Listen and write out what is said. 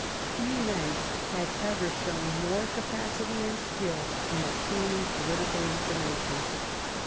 Few men have ever shown more capacity and skill in obtaining political information.